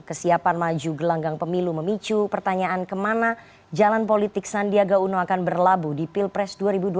kesiapan maju gelanggang pemilu memicu pertanyaan kemana jalan politik sandiaga uno akan berlabuh di pilpres dua ribu dua puluh